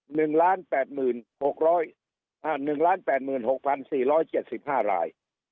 หนึ่งล้านแปดหมื่นหกร้อยอ่าหนึ่งล้านแปดหมื่นหกพันสี่ร้อยเจ็ดสิบห้าราย